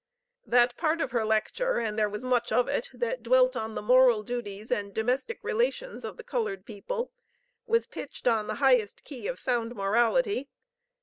That part of her lecture (and there was much of it) that dwelt on the moral duties and domestic relations of the colored people was pitched on the highest key of sound morality.